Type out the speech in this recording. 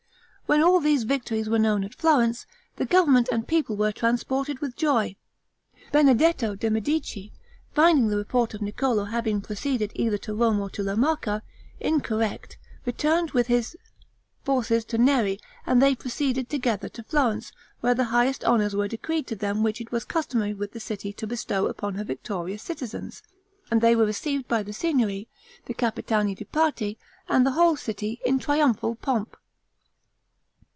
When all these victories were known at Florence, the government and people were transported with joy. Benedetto de' Medici, finding the report of Niccolo having proceeded either to Rome or to La Marca, incorrect, returned with his forces to Neri, and they proceeded together to Florence, where the highest honors were decreed to them which it was customary with the city to bestow upon her victorious citizens, and they were received by the Signory, the Capitani di Parte, and the whole city, in triumphal pomp.